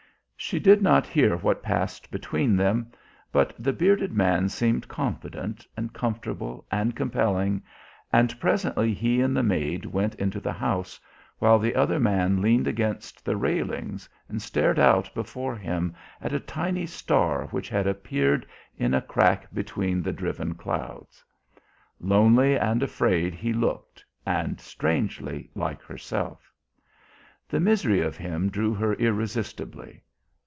She did not hear what passed between them; but the bearded man seemed confident and comfortable and compelling, and presently he and the maid went into the house, while the other man leaned against the railings and stared out before him at a tiny star which had appeared in a crack between the driven clouds. Lonely and afraid he looked, and strangely like herself. The misery of him drew her irresistibly.